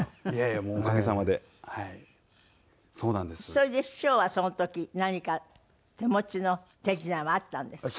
それで師匠はその時何か手持ちの手品はあったんですか？